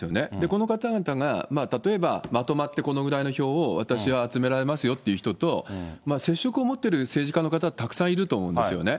この方々が、例えば、まとまってこのぐらいの票を、私は集められますよという人と、接触を持ってる政治家の方、たくさんいると思うんですよね。